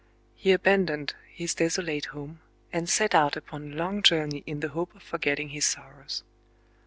He abandoned his desolate home, and set out upon a long journey in the hope of forgetting his sorrows.